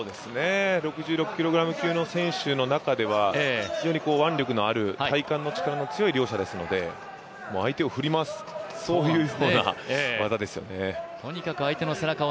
６６キロ級の選手の中では腕力のある体幹の強い選手ですので、相手を振り回すような技ですよね。